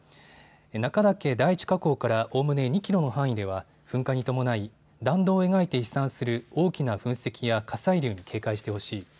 中岳第一火口からおおむね２キロの範囲では噴火に伴い弾道を描いて飛散する大きな噴石や火砕流に警戒してほしい。